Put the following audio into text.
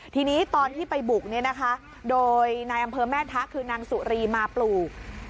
ทีนี้ตอนที่ไปบุกเนี่ยนะคะโดยนายอำเภอแม่ทะคือนางสุรีมาปลูก